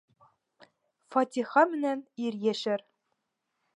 Фатиха менән ир йәшәр.